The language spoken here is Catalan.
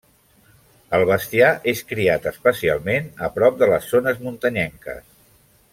El bestiar és criat especialment a prop de les zones muntanyenques.